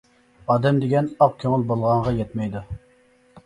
ئادەم دېگەن ئاق كۆڭۈل بولغانغا يەتمەيدۇ.